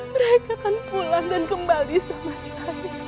mereka akan pulang dan kembali sama saya